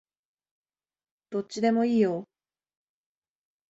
どっちでもいいよ